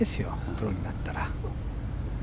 プロになったら。